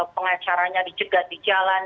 pengacaranya dijegat di jalan